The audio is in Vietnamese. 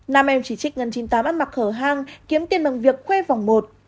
nam em chỉ trích ngân chín mươi tám ăn mặc khởi hàng kiếm tiền bằng việc khuê vòng một